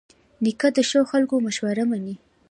نیکه د ښو خلکو مشوره منې.